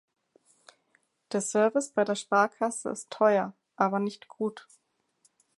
Der Service bei der Sparkasse ist teuer, aber nicht gut.